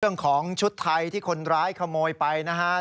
เรื่องของชุดไทยที่คนร้ายขโมยไปนะฮะ